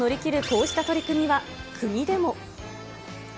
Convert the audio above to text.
こうした取り組みは、国でも。